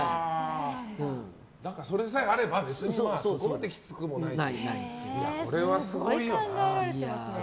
それさえあれば、そこまできつくもないという。